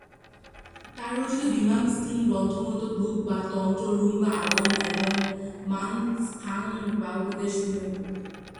তার রচিত বি-মা-স্ন্যিং-থিগ গ্রন্থ মূলতঃ র্গ্যুদ বা তন্ত্র, লুং বা আগম এবং মান-ঙ্গাগ বা উপদেশ এই তিনভাগে বিভক্ত।